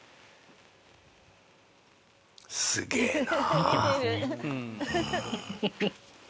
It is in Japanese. すげえな。